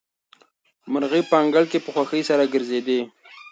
مرغۍ په انګړ کې په خوښۍ سره ګرځېدې.